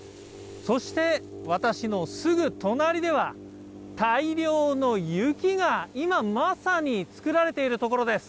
そして、私のすぐ隣では、大量の雪が、今、まさに作られているところです。